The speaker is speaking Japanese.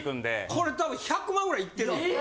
これ多分１００万ぐらいいってるよ。